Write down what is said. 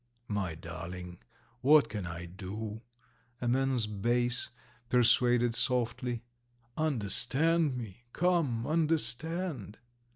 "My darling, what can I do?" a man's bass persuaded softly. "Understand me! Come, understand!"